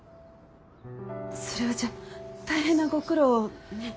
それはじゃあ大変なご苦労をね。